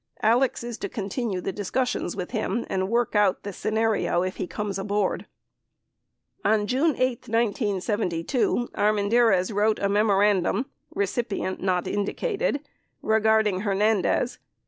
Alex is to continue the discussions with him and work out the scenario if he comes aboard. 48 On June 8, 1972, Armendariz wrote a memorandum (recipient not indicated) regarding Hernandez.